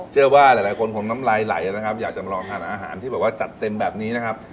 เชื่อว่าหลายคนคงน้ำลายไหลนะครับอยากจะมาลองทานอาหารที่แบบว่าจัดเต็มแบบนี้นะครับ